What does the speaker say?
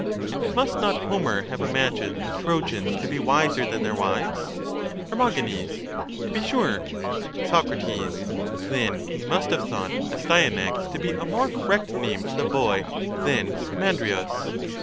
And must not Homer have imagined the Trojans to be wiser than their wives? Her. To be sure. Soc. Then he must have thought Astyanax to be a more correct name for the boy than Scamandrius?